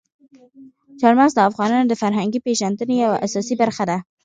چار مغز د افغانانو د فرهنګي پیژندنې یوه اساسي برخه ده.